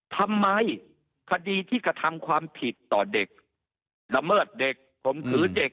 ทำไมพอดีที่กระทำความผิดต่อเด็กดำเมิดเด็ก